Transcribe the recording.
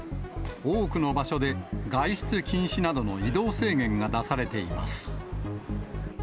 多くの場所で外出禁止などの移動制限が出されています。